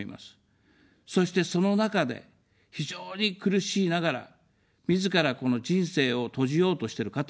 そして、その中で非常に苦しいながら、みずからこの人生を閉じようとしてる方。